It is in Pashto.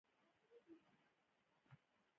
آیا اسیایي چیتا یوازې هلته نشته؟